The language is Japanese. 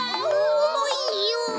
おもいよ！